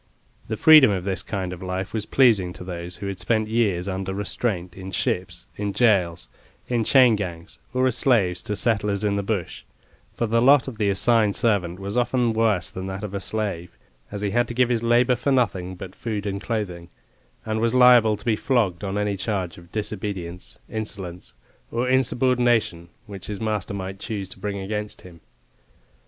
The freedom of this kind of life was pleasing to those who had spent years under restraint in ships, in gaols, in chain gangs, or as slaves to settlers in the bush, for the lot of the assigned servant was often worse than that of a slave, as he had to give his labour for nothing but food and clothing, and was liable to be flogged on any charge of disobedience, insolence, or insubordination which his master might choose to bring against him.